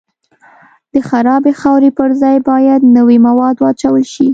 د خرابې خاورې پر ځای باید نوي مواد واچول شي